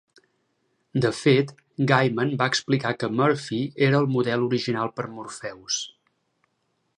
De fet, Gaiman va explicar que Murphy era el model original per Morpheus.